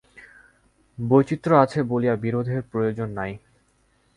বৈচিত্র্য আছে বলিয়া বিরোধের প্রয়োজন নাই।